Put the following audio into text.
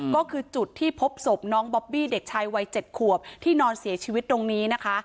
ก็คือจุดที่พบศพน้องบอบบี้เด็กชายวัย๗ขวบที่นอนเสียชีวิตตรงนี้นะคะ